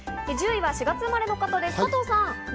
１０位は４月生まれの方です、加藤さん。